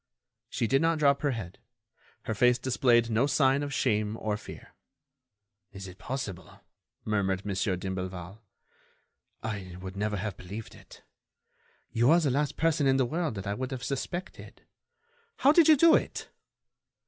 She did not drop her head. Her face displayed no sign of shame or fear. "Is it possible?" murmured Mon. d'Imblevalle. "I would never have believed it.... You are the last person in the world that I would have suspected. How did you do it?"